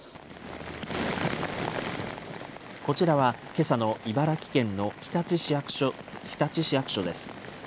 こちらはけさの茨城県の日立市役所です。